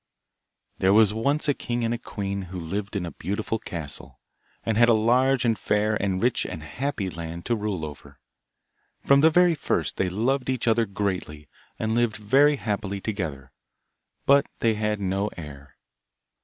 There were once a king and a queen who lived in a beautiful castle, and had a large, and fair, and rich, and happy land to rule over. From the very first they loved each other greatly, and lived very happily together, but they had no heir.